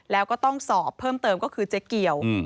แล้วก็ต้องสอบเพิ่มเติมก็คือเจ๊เกียว